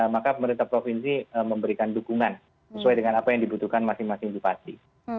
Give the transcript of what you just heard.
maka pemerintah provinsi memberikan dukungan sesuai dengan apa yang dibutuhkan masing masing bupati